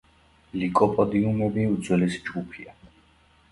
ლიკოპოდიუმები უძველესი ჯგუფია.